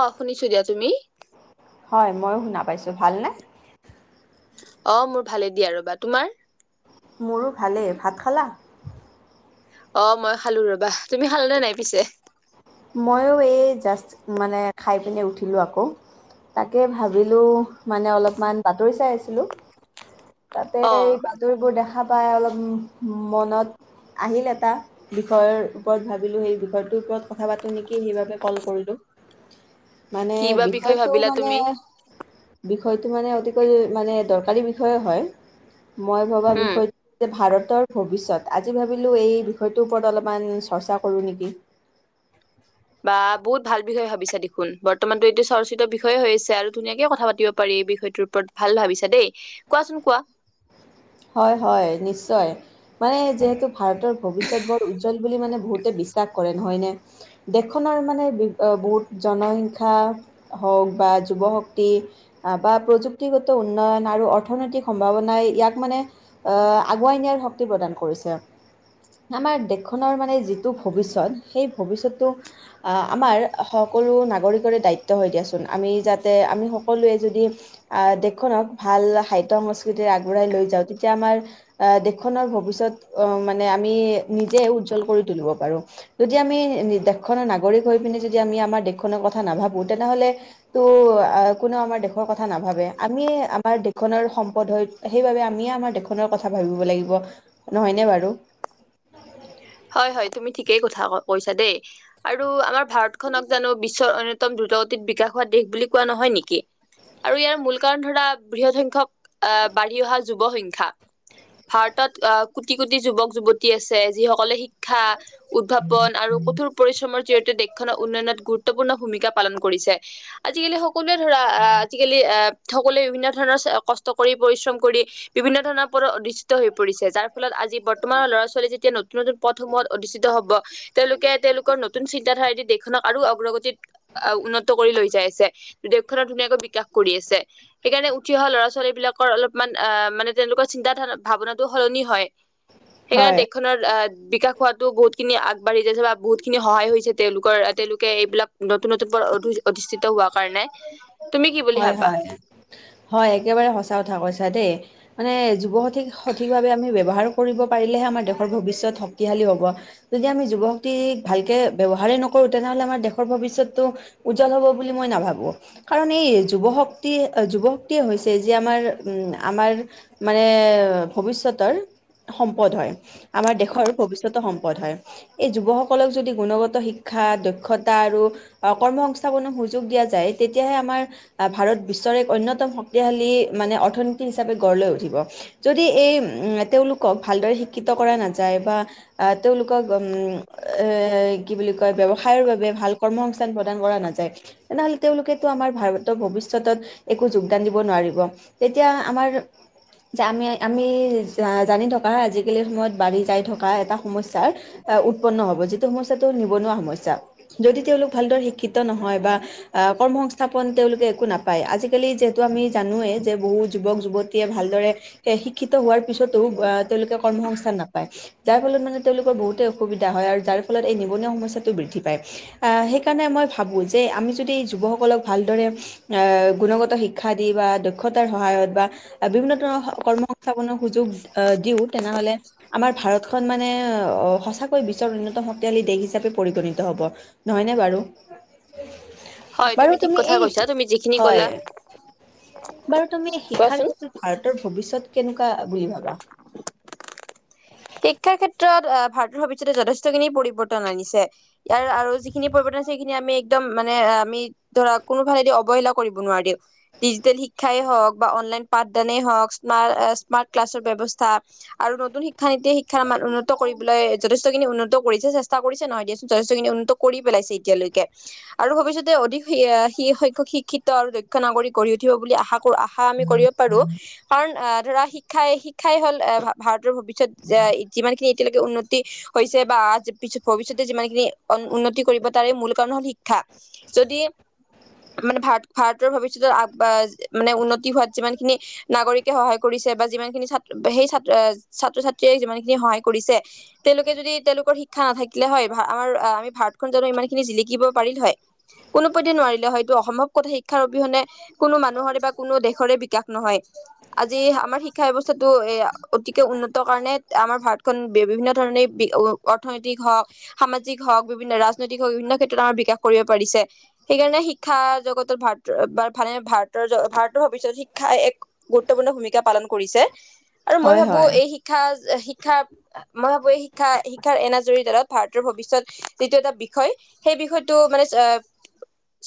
অ শুনিছো দিয়া তুমি? হয় ময়ো শুনা পাইছোঁ ভালনে? অ মোৰ ভালে দিয়া ৰ'বা তোমাৰ? মোৰো ভালে ভাত খালা? অ মই খালো ৰবা, তুমি খালনে নাই পিছে? মইয়ো এই জাষ্ট মানে খাই পিনে উঠিলোঁ আকৌ, তাকে ভাবিলোঁ, মানে অলপমান বাতৰি চাই আছিলোঁ। তাতে অ এই বাতৰিবোৰ দে [unintelligible] অলপ মনত আহিল এটা বিষয়ৰ ওপৰত ভাবিলোঁ সেই বিষয়টোৰ ওপৰত কথা পাতোঁ নেকি সেইবাবে কল কৰিলোঁ। মানে কি বা বিষয় বিষয়টো ভাবিলা মানে তুমি বিষয়টো মানে অতিকৈ মানে দৰকাৰী বিষয়ে হয়। মই ভবা উম বিষয়, টো ভাৰতৰ ভৱিষ্যত আজি ভাবিলোঁ এই বিষয়টোৰ ওপৰত অলপমান চৰ্চা কৰোঁ নেকি? বা বহুত ভাল বিষয়ে ভাবিছা দেখোন বৰ্তমানতো এইটো চৰ্চিত বিষয়ে হৈ আছে আৰু ধুনীয়াকে কথা পাতিব পাৰি বিষয়টোৰ ওপৰত ভাল ভাবিছা দে কোৱাচোন কোৱা। হয়, হয়, নিশ্চয় মানে যিহেতু ভাৰতৰ ভৱিষ্যত বৰ উজ্জ্বল বুলি মানে বহুতে বিশ্বাস কৰে। হয়নে, দেশখনৰ মানে দি বহুত জনসংখ্যা হওঁক বা যুৱ শক্তি, বা প্ৰযুক্তিগত উন্নয়ন আৰু অৰ্থনৈতিক সম্ভাৱনাই ইয়াক মানে অ, আগুৱাই নিয়াৰ শক্তি প্ৰদান কৰিছে, আমাৰ দেশখনৰ মানে যিটো ভৱিষ্যত সেই ভবিষ্যতটো আমাৰ সকলো নাগৰিকৰে দায়িত্ব হয় দিয়াচোন আমি যাতে আমি সকলোৱে যদি আহ, দেশখনক ভাল সাহিত্য সংস্কৃতিৰে আগবঢ়াই লৈ তেতিয়া আমাৰ আহ দেশখনৰ ভবিষ্যত অ, মানে আমি নিজে উজ্জল কৰি তুলিব পাৰোঁ, যদি আমি দেশখনৰ নাগৰিক হৈ পিনে যদি আমি আমাৰ দেশখনৰ কথা নাভাবোঁ তেনেহলেটো কোনেও আমাৰ দেশৰ কথা নাভাবে আমিয়ে আমাৰ দেশখনৰ সম্পদ হয় সেইবাবে আমি আমিয়ে আমাৰ দেশখনৰ কথা ভাবিব লাগিব নহয়নে বাৰু? হয়, হয়, তুমি ঠিকে কথা কৈছা দে, আৰু আমাৰ ভাৰতখনক জানো বিশ্বৰ আৰত দ্ৰুতগতিত বিকাশ হোৱা দেশ বুলি কোৱা নহয় নেকি আৰু ইয়াৰ মূল কাৰণ ধৰা লোৱা বৃহৎ সংখ্যক আহ বাঢ়ি অহা যুৱ সংখ্যা ভাৰতত আহ কোটি কোটি যুৱক যুৱতী আছে যিসকলে শিক শিক্ষা উদ্ভাৱন আৰু কঠোৰ পৰিশ্ৰমৰ জৰিয়তে দেশখনৰ উন্নয়নত গুৰুত্বপূৰ্ণ ভূমিকা পালন কৰিছে আজিকালি সক কোনোৱে ধৰা অ', আজিকালি অ' সকলোৱে বিভিন্ন ধৰণৰ কষ্ট কৰি, পৰিশ্ৰম কৰি বিভিন্ন ধৰণৰ ওপৰত অধিষ্ঠিত হৈ পৰিছে যাৰ ফলত আজি বৰ্তমান ল'ৰা ছোৱালী যেতিয়া [unintelligible] নতুন পথসমূহত অধিষ্ঠিত হ'ব তেওঁলোকে, তেওঁলোকৰ নতুন চিন্তাধাৰায়েদি দেখ দেশখনক আৰু অগ্ৰগতিত অ', উন্নত কৰি লৈ যায় আছে, দেশখনত ধুনীয়াকৈ বিকাশ কৰি আছে, সেইকাৰণে উঠি অহা ল'ৰা ছোৱালী বিলাকৰ অলপমান আ, মানে তেওঁলোকৰ চিন্তাধাৰা, ভাৱনাটো সলনি হয়। সেইকাৰণে হয় দেশখনৰ আ বিকাশ হোৱাতো বহুতখিনি আগবাঢ়ি যায় আছে বা বহুতখিনি সহায় হৈছে তেওঁলোকৰ, তেওঁলোকে এইবিলাক দত [unintelligible] অধিষ্ঠিত হোৱা কাৰনে- হয়, হয়, হয় একেবাৰে সঁচা কথা কৈ তাতে মানে যুৱশ সঠিক সঠিকভাৱে আমি ব্যৱহাৰ কৰিব পাৰিলেহে আমাৰ দেশখনৰ ভবিষ্যত শক্তিশালী হ'ব। যদি আমি যুবশক্তিক ভালকে ব্যৱহাৰ নকৰো তেনেহলে আমাৰ দেশৰ ভবষ্যতটো উজ্জ্ব হব বুলি মই নাভাবোঁ কাৰণ এই যুৱ শক্তি অ' যুৱ শক্তিয় হৈছে যি আমাৰ উম আমাৰ মানে ভৱিষ্যয়তৰ সম্পদ হয় আমাৰ দেশৰ ভৱিষষ্যয়তৰ সম্পদ হয় এই যুৱ শক্ত সকলক যদি গুণগত শিক্ষা দক্ষতা আৰু কৰ্মসস্থাপনৰ সুযোগ দিয়া যায় তেতিয়াহে আহ ভাৰত বিশ্বৰ এক অন্যতম শক্তিশালী মানে অৰ্থনীতি হিচাপে গঢ় লৈ উঠিব যদি এই উ তেওঁলোকক ভালদৰে শিক্ষিত কৰা নাযায় বা আহ তেওঁলোকক উম এৰ এ-কি বুলি কয় ব্যৱসায়ৰ বাবে ভাল কৰ্মসংস্থান প্ৰদান কৰা না [unintelligible] তেনেহ'লে তেওঁলোকে টো আমাৰ ভাৰতৰ ভৱিষ্যতত একো যোগদান দিব নোৱাৰিব, তেতিয়া আমাৰ যে আমি-আমি জানি থকা আজিকালি সময়ত বাঢ়ি যাই থকা এটা সমস্যাৰ উৎপন্ন হব [unintelligible] [unintelligible] নিবনুৱা সমস্যা যদি তেওঁলোক ভালদৰে শিক্ষিত নহয় বা কৰ্ম [unintelligible] পন তেওঁলোকে একো নাপায় আজিকালি যিহেতু আমি জানোৱেই যে বহু যুৱক যুৱতীয়ে ভালদৰে স-শিক্ষিত হোৱাৰ পিছতো তেওঁলোকে কৰ্ম সংস্থান নাপায় যাৰ ফলত মানে তেওঁলোকৰ বহুতে অসুবিধা হয় আৰু যাৰ ফলত এই নিবনুৱা সমস্যাত [unintelligible] বৃদ্ধি পায়, আ, সেইকাৰণে মই ভাবো যে আমি যদি যুৱক সকলক ভালদৰে এ, গুণগত শিক্ষা দি বা দক্ষতাৰ সহায়ত বা বিভিন্ন ধৰণৰ কৰ্ম সংস্থাপনৰ সুযোগ আ, দিওঁ তেনেহ'লে আমাৰ ভাৰত খন মানে অ', সঁচাকৈ বিশ্বৰ অন্যতম শক্তশালী দেশ হিচাপে পৰিগণিত হব, নহয়নে বাৰু? হয় বাৰু ঠিক তুমি কথা এই কৈছা তুমি যিখিনি হয় কলা বাৰু তুমি শিক্ষাৰ কোৱাচোন। ক্ষেত্ৰত ভাৰতৰ ভৱিষ্যত কেনেকুৱা বুলি ভাবা শিক্ষাৰ ক্ষেত্ৰত ভাৰতৰ ভৱিষ্যতে যথেষ্ট খিনি পৰিৱৰ্তন আনিছে ইয়াৰ আৰু যিখিনি পৰিৱৰ্তন সেইখিনি আমি একদম মানে আমি ধৰা কোনোফালেদি অৱহেলা কৰিব নোৱাৰি ডিজিটেল শিক্ষাই হওঁক বা অনলাইন পাঠদানে হওঁক স্মাৰ্ট ক্লাছৰ ব্যৱস্থা আৰু নতুন [unintelligible] উন্নত কৰিবলৈ যথেষ্টখিনি উন্নত কৰিছে চেষ্টা কৰিছে নহয় দিয়াচোন যথেষ্টখিনি উন্নত কৰি পেলাইছে এতিয়ালৈকে, আৰু ভৱিষ্যতে অধিক শি-শিক্ষিত আৰু দক্ষ নাগৰিক গঢ়ি উঠিব বুলি আশা বোৰ আশা আমি কৰিব পাৰো, কাৰণ আ ধৰা শিক্ষাই শিক্ষাই হ'ল এ, ভাৰতৰ যে যিমানখিনি এতিয়কে উন্নতি হৈছে বা আ-ভৱিষ্যতে যিমান খিনি উন্নতি কৰিব তাৰে মূল কাৰণ হল শিক্ষা যদি মানে ভাৰত-ভাৰতৰ ভৱিষ্যয়তৰ আ-মানে উন্নতি হোৱাত যিমান খিনি নাগৰিকে সহায় কৰিছে বা যিমান খিনিত ছাত্ৰ সেই ছাত্ৰ ছা যিমান খিনি সহায় কৰিছে, তেওঁলোকে যদি তেওঁলোকৰ শিক্ষা নাথাকিলে হয় আমাৰ আমি ভাৰত খন জানো ইমান খিনি জিলিকিব পাৰিলে হয় কোনো পধ্যে নোৱাৰিলে হয় অসম্ভৱ কথা শিক্ষাৰ অবিহনে কোনো মানুহৰে বা কোনো দেশৰে বিকাশ নহয় আজি আমাৰ শিক্ষা ব্যৱস্থাটো এ অতিকে উন্নত [unintelligible] কাৰণে আমাৰ ভাৰতখন বিভিন্ন ধৰণে অ-অৰ্থনৈতিক হওক সামাজিক হওক বিভিন্ন ৰাজনৈতিক হওক বিভিন্ন ক্ষেত্ৰত আমাৰ বিকাশ কৰিব পাৰিছে সেইকাৰণে শিক্ষা জগতত ভাৰত ভাৰতৰ ভাৰতৰ ভৱিস্যত শিক্ষাই এক গুৰুত্বপূৰ্ণ ভূমিকা পালন কৰিছে আৰু মই হয় ভাবো হয়, এই শি শিক্ষা, শিক্ষা মই ভাবোঁ এই শিক্ষা, শিক্ষাৰ এনাজৰীডালত ভাৰতৰ ভৱিষ্যত যিটো এটা বিষয় সেই বিষয়টো মানে এ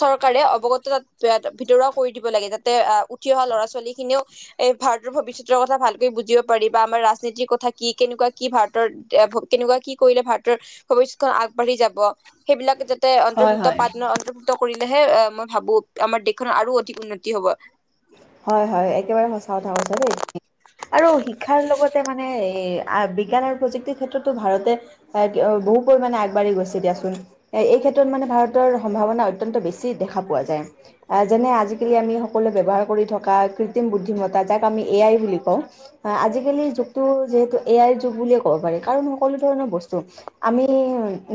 চৰকাৰে অৱগত তাত এ ভিতৰুৱা কৰি দিব লাগে, যাতে আহ উঠি অহা ল'ৰা ছোৱালী খিনিও এই ভাৰতৰ ভৱিষ্যতৰ কথা ভালকৈ বুজিব পাৰি বা আমাৰ ৰাজ নীতিৰ কথা কি কেনেকুৱা কি ভাৰতৰ কেনেকুৱা কি কৰিলে ভাৰতৰ ভৱিষ্যতত আগবাঢ়ি যাব সেইবিলাক যাতে হয় অন্তৰ্ভুক্ত হয়, পাদনত অন্তৰ্ভুক্ত কৰি তেহে মই ভাবো আমাৰ দেশখনৰ আৰু অধিক উন্নতি হব। হয় হয় একেবাৰে সঁচা কথা কৈছা দেই। আৰু শিক্ষাৰ লগতে মানে এ আ বিজ্ঞানৰ প্ৰযুক্তিৰ ক্ষেত্ৰতো ভাৰতে এই ও বহু পৰিমাণে আগবাঢ়ি গৈছে দিয়াচোন। এ এই ক্ষেত্ৰত মানে ভাৰত তৰ সম্ভাৱনা অত্যন্ত বেছি দেখা পোৱা যায়। আ যেনে আজি কালি আমি সকলোৱে ব্যৱহাৰ কৰি থকা কৃত্ৰিম বুদ্ধিমত্তা যাক আমি এই আই বুলি কওঁ আ আজিকালি যোগটো যিহেতু এ আই বুলি ক'ব পাৰি কাৰণ সকলো ধৰণৰ বস্তু, আমি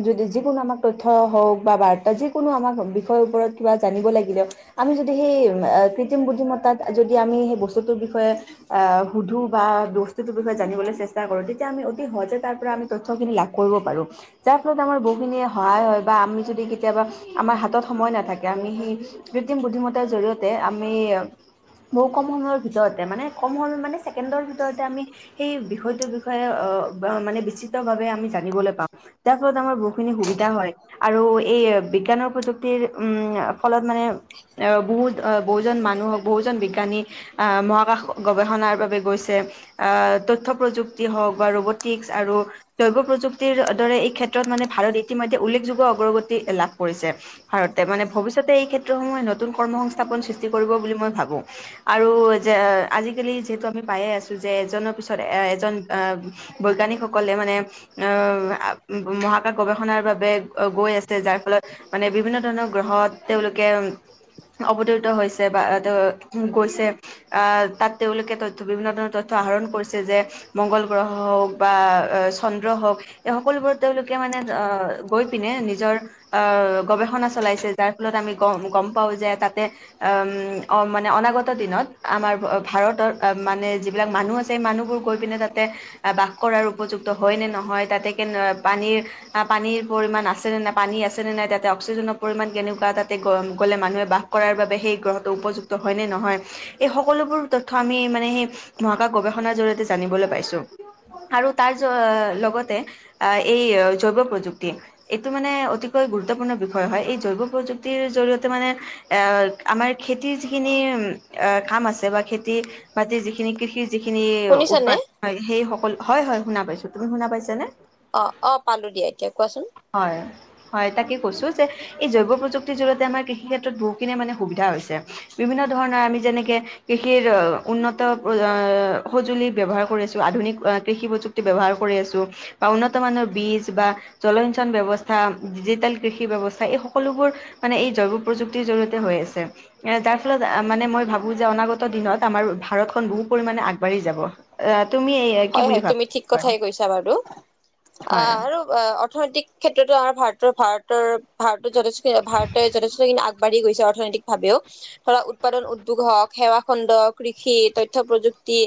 যদি যিকোনো আমাক তথ্য হওঁক বা বাৰ্তা যিকোনো আমাক বিষয়ৰ ওপৰত কিবা জানিব লাগিলেও আমি যদি সেই কৃতিম বুদ্ধিমতাত যদি আমি সেই বস্তুটোৰ বিষয়ে এ সুধো বা বস্তুটোৰ বিষয়ে জানিবলৈ চেষ্টা কৰো তেতিয়া আমি অতি সহজে তাৰ পৰা আমি তথ্যখিনি লাভ কৰিব পাৰো। যাৰ ফলত আমাৰ বহুখিনি সহায় হয় বা আমি যদি কেতিয়াবা আমাৰ হাতত সময় নাথাকে আমি সেই কৃক্ৰিম বুদ্ধিমত্তাৰ জৰিয়তে আমি আমি এ ব‌হু সময়ৰ ভিতৰতে মানে কম সময় মানে ছেকেন্দ ভিতৰতে আমি এই সৈতো বিষয়ে। আহ, মানে বিস্তিতভাৱে আমি জানিবলৈ পাম। যাৰ ফলত আমাৰ বহুখিনি সুবিধা হয় আৰু এই বিজ্ঞানৰ প্ৰযুক্তিৰ উ ফলত মানে আহ বহুত আহ বহুজন মানুহক, বহুজন বিজ্ঞানী, আহ মহাকাশ গৱেষণাৰ বাবে গৈছে আহ তথ্য প্ৰযুক্তি হওক বা ৰবতিক্স আৰু জৈৱ প্ৰযুক্তিৰ দৰে এই ক্ষেত্ৰত মানে ভাৰত ইতিমধ্যে উল্লেখযোগ্য অগ্ৰগতি লাভ কৰিছে। ভাৰতে মানে ভৱিষ্যতে এই ক্ষেত্ৰসমূহে নতুন কৰ্ম সংস্থাপন সৃষ্ট কৰিব বুলি মই ভাবো, আৰু যে আজিকালি যিহেতু আমি পায়ে আছো যে এজনৰ পিছত এ এজন আহ বৈজ্ঞানিকসকলে মানে আহ মহাকাশ গৱেষণাৰ বাবে গৈ আছে যাৰ ফলত মানে বিভিন্ন ধৰণৰ গ্ৰহত তেওঁলোকে অৱতৰিত হৈছে। বা তেওঁ গৈছে আহ তাত তেওঁলোকে তথ্য বিভিন্ন ধৰণৰ তথ্য আহৰণ কৰিছে যে মংগল গ্ৰহ হওক বা চন্দ্ৰ হওক এই সকলোবোৰ তেওঁলোকে মানে আহ গৈ পিনে নিজৰ আহ গৱেষণা চলাইছে যাৰ ফলত আমি গম গম পাওঁ যে তাতে অ' মানে অনাগত দিনত আমাৰ ভাৰতৰ মানে যিবিলাক মানুহ আছে মানুহবোৰ গৈ পিনে তাতে বাস কৰাৰ উপযুক্ত হয় নে নহয়? তাতে কেনে পানীৰ পানীৰ পৰিমাণ আছেনে নাই পানী আছেনে নাই তাতে অক্সিজেনৰ পৰিমাণ কেনেকুৱা তাতে গ'লে মানুহে বাস কৰাৰ বাবে গ্ৰহটো উপযুক্ত হয় নে নহয়? এই সকলোবোৰ তথ্য আমি মানে সেই মহাকাশ গৱেষণাৰ জৰিয়তে জানিবলৈ পাইছো। আৰু তাৰ লগতে এই জৈৱ প্ৰযুক্তি এইটো মানে অতিকৈ গুৰুত্বপূৰ্ণ বিষয় হয়, এই জৈৱ প্ৰযুক্তিৰ জৰিয়তে মানে এ আমাৰ খেতিৰ যিখিনি কাম আছে বা খেতি-বাতিৰ যিখিনি কৃষি যিখিনি শুনিছানে উৎপাদন হয়, সেই সকল হয় হয়, শুনা পাইছো। তুমি, শুনা পাইছেনে? অ' অ' পালো দিয়া, এতিয়া কোৱাচোন। হয় হয়, তাকে কৈছো যে এই জৈৱ প্ৰযুক্তিৰ জৰিয়তে আমাৰ কৃষি ক্ষেত্ৰত বহুখিনিয়ে মানে সুবিধা হৈছে, বিভিন্ন ধৰণৰ আমি যেনেকে কৃষিৰ উন্নত সঁজুলি ব্যৱহাৰ কৰি আছোঁ আধুনিক কৃষি প্ৰযুক্তি ব্যৱহাৰ কৰি আছোঁ বা উন্নত মানৰ বীজ বা জলসিঞ্চন ব্যৱস্থা ডিজিটেল কৃষি ব্যৱস্থা এই সকলোবোৰ মানে এই জৈৱ প্ৰযুক্তিৰ জৰিয়তে হৈ আছে। তাৰ ফলত মানে মই ভাবো যে অনাগত দিনত আমাৰ ভাৰতখন বহু পৰিমাণে আগবাঢ়ি যাব। তুমি কি হয় বুলি হয়, ভাবা তুমি ঠিক কথাই কৈছা বাৰু। হয় অ' আৰু অৰ্থনৈতিক ক্ষেত্ৰতো আমাৰ ভাৰতৰ ভাৰতৰ ভাৰতত যথেষ্ট। ভাৰতে যথেষ্টখিনি আগ বাঢ়ি গৈছে অৰ্থনৈতিক ভাৱেও ধৰা উৎপাদন উদ্যোগ হওক সেৱা খণ্ড কৃষি তথ্য প্ৰযুক্তি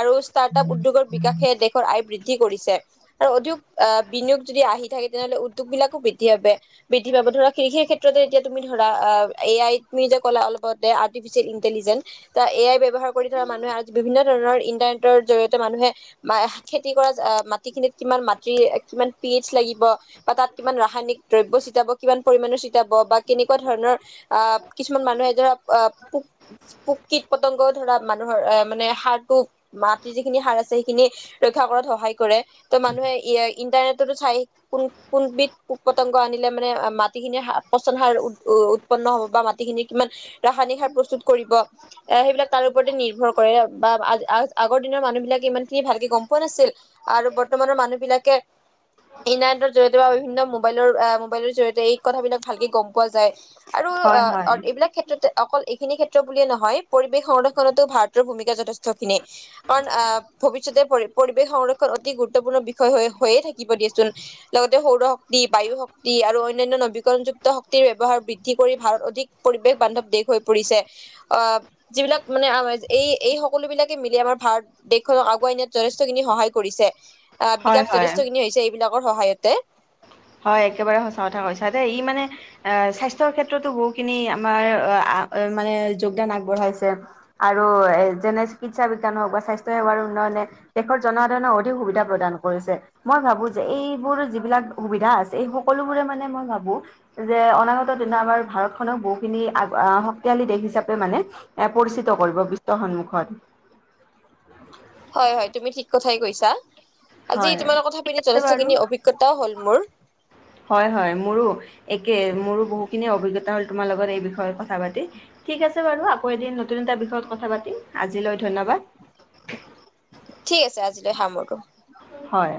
আৰু ষ্টাৰ্ট আপ উদ্যোগৰ বিকাশে দেশৰ আয় বৃদ্ধ কি কৰিছে আৰু অধিক আহ বিনিয়োগ যদি আহি থাকে তেনেহ'লে উদ্যোগ বিলাকো বৃদ্ধি বাবে বৃদ্ধি পাব ধৰা কৃষিৰ ক্ষেত্ৰতে এতিয়া তুমি ধৰা আ এ আই তুমি যে কলা অলপ আগতে আৰ্টিফিচিয়েল ইন্টেলিজেন্ঞ্চ তা এ আই ব্যৱহাৰ কৰি ধৰা মানুহে বিভিন্ন ধৰণৰ ইণ্টাৰনেটৰ জৰিয়তে মানুহে মা হা খেতি কৰা যা মাটিখিনিত কিমান মাটিৰ কিমান পিটছ্ লাগিব বা তাত কিমান ৰাসায়নিক দ্ৰব্য চিটাব কিমান পৰিমাণে চিটাব বা কেনেকুৱা ধৰণৰ আহ কিছুমান মানুহে ধৰা আ পোক পোক কীট পতংগ ধৰা মানুহৰ আহ মানে সাৰটো মাটিৰ যিখিনি সাৰ আছে ইখিনি ৰক্ষা কৰাত সহায় কৰে ত মানুহে ইয়াই ইন্টাৰনেটতো চাই কোন কোনবিধ পোক পতংগ আনিলে মানে মাটিখিনিৰ সা পচন সাৰ উৎ উৎপন্ন হব বা মাটিখিনিৰ কিমান ৰাসায়নিক সাৰ প্ৰস্তুত কৰিব এ সেইবিলাক তাৰ ওপৰতে নিৰ্ভৰ কৰে বা আ আ আগৰ দিনৰ মানুহবিলাকে ইমান সি ভালকে গম পোৱা নাছিল আৰু বৰ্তমানৰ মানুহ বিলাকে ইণ্টাৰনেটৰ জৰিয়তে বা বিভিন্ন মোবাইলৰ আ মোবাইলৰ জৰিয় তেএই কথাবিলাক ভালকে গম পোৱা যায় আৰু অ হয় হয় অ এইবিলাক ক্ষেত্ৰতে অকল এইখিনি ক্ষেত্ৰ বুলিয়ে নহয় পৰিৱেশ সংৰক্ষণতো ভাৰতৰ ভূমিকা যথেষ্ট খিনি অন আহ পিছতে পৰি পৰিৱেশ সংৰক্ষণ অতি গুৰুত্বপূৰ্ণ বিষয় হৈ হৈয়ে থাকিব দিয়েচোন, লগতে সৌৰ শক্তি বায়ু শক্তি আৰু অনান্য নবীকৰণযুক্ত শক্তিৰ ব্যৱহাৰ বৃদ্ধি কৰি ভাৰত অধিক পৰিৱেশ বান্ধৱ দেশ হৈ পৰিছে, আহ যিবিলাক মানে এই-এই সকলো বিলাকে মিলি আমাৰ ভাৰত দেশ ধৰক আগুৱাই নিয়াত যথেষ্টখিনি সহায় কৰিছে। আহ হয় বিকাশ হয় যথেষ্ট খিনি হৈছে এইবিলাক। বৰ সহায়তে। হয় একেবাৰে সঁচা কথা কৈছা দে ই মানে আহ স্বাস্থ্যৰ ক্ষেত্ৰতো বহুখিনি আমাৰ, মানে যোগদান আগবঢ়াইছে আৰু এ যেনে চিকিৎসা বিজ্ঞান হওক বা স্বাস্থ্যৰ সেৱাৰ উন্নয়নে, দেশৰ জনসাধাৰণে অধিক সুবিধা প্ৰদান কৰিছে, মই ভাবো যে এইবোৰ যিবিলাক [unintelligible] সুবিধা আছে এই সকলোবোৰে মানে মই ভাবো, যে অনাগত দিনা আমাৰ ভাৰতখনক বহুখিনি শক্তিশালী দেশ হিচাপে মানে, এ পৰিচিত কৰিব বিশ্বৰ সন্মুখত। হয়, হয়, তুমি ঠিক কথাই কৈ ছা। হয়, ঠিক আছে বাৰু, অভিজ্ঞতাও হ'ল মোৰ হয় হয় মোৰো একে মোৰো বহুখিনি অভিজ্ঞা এটা হল তোমাৰ লগত এই বিষয়ত কথা পাতি ঠিক আছে বাৰু আকৌ এদিন নতুন এটা বিষয়ত কথা পাতিম আজিলৈ ধন্যবাদ ঠিক আছে আজিলৈ সামৰো হয়